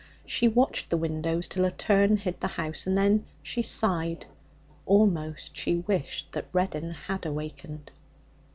She watched the windows till a turn hid the house, and then she sighed. Almost she wished that Reddin had awakened.